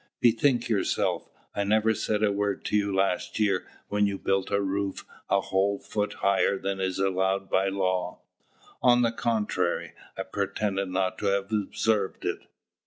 Bethink yourself: I never said a word to you last year when you built a roof a whole foot higher than is allowed by law. On the contrary, I pretended not to have observed it.